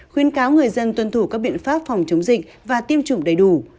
khuyên cáo người dân tuân thủ các biện pháp phòng chống dịch và tiêm chủng đầy đủ